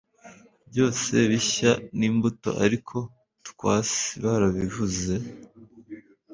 Byose bishya Nimbuto Ariko twas barabivuze